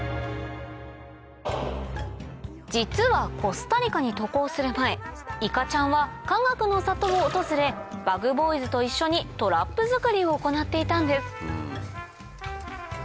実はコスタリカに渡航する前いかちゃんはかがくの里を訪れＢｕｇＢｏｙｓと一緒にトラップ作りを行っていたんです